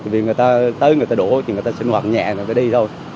vì người ta tới người ta đổ thì người ta sinh hoạt nhẹ người ta đi thôi